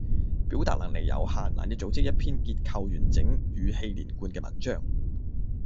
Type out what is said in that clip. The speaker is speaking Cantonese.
表達能力有限，難以組織一篇結構完整語氣連貫嘅文章